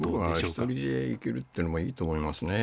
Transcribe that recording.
僕は１人で生きるっていうのもいいと思いますね。